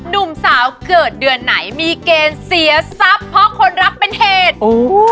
หนุ่มสาวเกิดเดือนไหนมีเกณฑ์เสียทรัพย์เพราะคนรักเป็นเหตุ